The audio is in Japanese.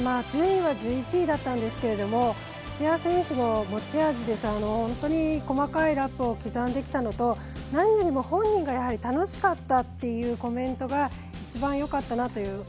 順位は１１位だったんですけれども土屋選手の持ち味で本当に細かいラップを刻んできたのと何よりも本人が楽しかったというコメントが一番よかったなという。